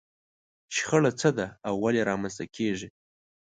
شخړه څه ده او ولې رامنځته کېږي؟